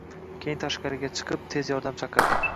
Keyin tashqariga chiqib, tez yordam chaqirdi.